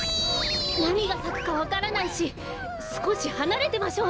なにがさくかわからないしすこしはなれてましょう！